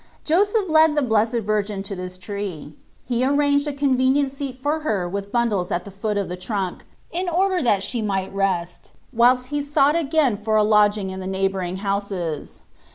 Joseph led the Blessed Virgin to this tree ; he ar ranged a convenient seat for her with bundles at the foot of the trunk, in order that she might rest whilst he sought again 72 ITbe 1Ratf\nt of for a lodging in the neighbouring houses.